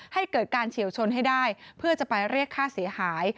ให้เกิดการเฉียวชนให้ได้เพื่อจะไปเรียกค่าเสียหาย